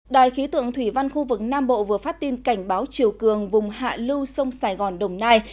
đài khí tượng thủy văn khu vực nam bộ vừa phát tin cảnh báo chiều cường vùng hạ lưu sông sài gòn đồng nai